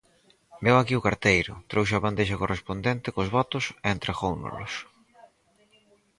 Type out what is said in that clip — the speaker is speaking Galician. Veu aquí o carteiro, trouxo a bandexa correspondente cos votos e entregóunolos.